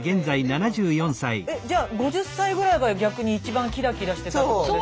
あらじゃ５０歳ぐらいが逆に一番キラキラしてたってことですか。